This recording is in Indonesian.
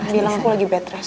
bilang aku lagi bed rest